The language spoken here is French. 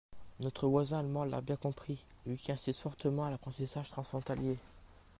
Notre voisin allemand l’a bien compris, lui qui incite fortement à l’apprentissage transfrontalier.